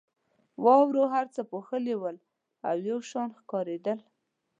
واورو هر څه پوښلي ول او یو شان ښکارېدل.